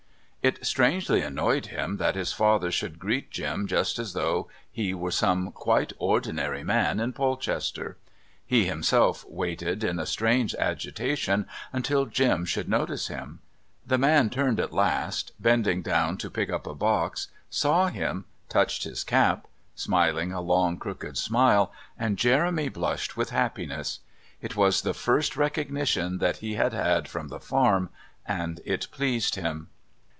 It strangely annoyed him that his father should greet Jim just as though he were some quite ordinary man in Polchester. He himself waited in a strange agitation until Jim should notice him. The man turned at last, bending down to pick up a box, saw him, touched his cap, smiling a long, crooked smile, and Jeremy blushed with happiness. It was the first recognition that he had had from the farm, and it pleased him.